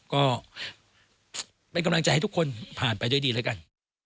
ก็เป็นกำลังใจให้ทุกคนผ่านไปด้วยดีแล้วกัน